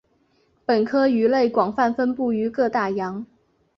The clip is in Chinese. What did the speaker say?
本科鱼类广泛分布于各大洋。